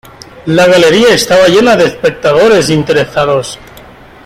La galería estaba llena de espectadores interesados.